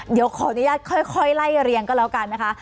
เดี๋ยวขออนุญาตค่อยไล่เรียงก็แล้วกันนะคะ